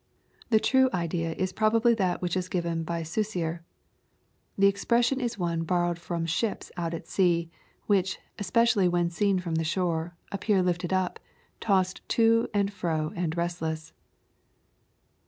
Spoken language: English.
The true idea is probably that which is given by Suicer. The expression is one boiTOwed from ships out at sea, which, es pecially when seen from the shore, appear lifted up, tossed to and fro and restless.